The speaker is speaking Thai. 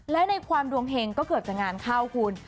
และในความดวงเห็งก็เกิดจากงานเข้าคุณ